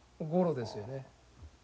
ゴロですよね。